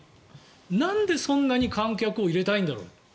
なんで、そんなに観客を入れたいんだろう。